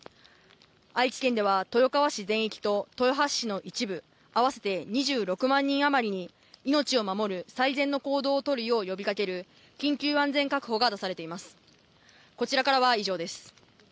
愛知県では豊川市全域と、豊橋市の一部、合わせて２６万人あまりに命を守る最善の行動をとるよう呼びかける緊急安全確保が出されています。